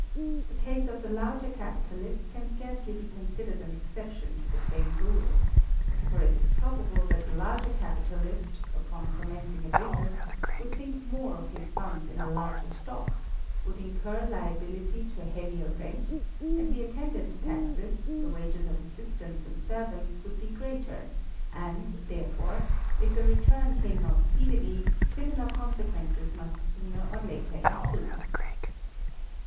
The case of the larger capitalist can scarcely be considered an exception to the same rule. For it is probable that the larger capitalist, upon commencing a business, would sink more of his funds in a larger stock would incur liability to a heavier rent; and the attendant taxes, the wages of assistants and servants would be greater, and, therefore, if the return came not speedily, similar consequences must sooner or later ensue.